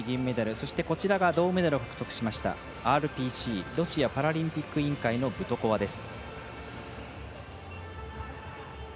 そして銅メダルを獲得しましたＲＰＣ＝ロシアパラリンピック委員会のブトコワです。